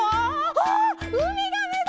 あっうみがめだ！